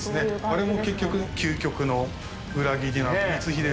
あれも結局究極の裏切り光秀が。